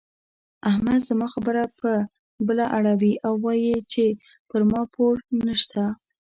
احمد زما خبره پر بله اړوي او وايي چې پر ما پور نه شته.